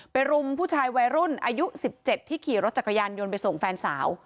รุมผู้ชายวัยรุ่นอายุ๑๗ที่ขี่รถจักรยานยนต์ไปส่งแฟนสาว